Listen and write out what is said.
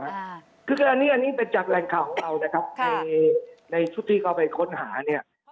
คืออันนี้อันนี้เป็นจากแหล่งข่าวของเรานะครับในในชุดที่เข้าไปค้นหาเนี่ย